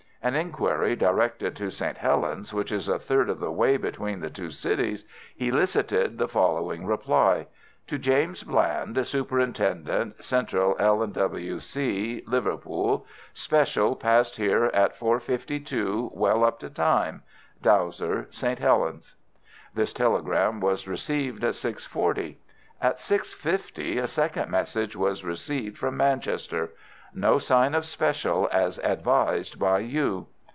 An inquiry directed to St. Helens, which is a third of the way between the two cities, elicited the following reply:— "To James Bland, Superintendent, Central L. & W. C., Liverpool.—Special passed here at 4.52, well up to time.—Dowser, St. Helens." This telegram was received at 6.40. At 6.50 a second message was received from Manchester:— "No sign of special as advised by you."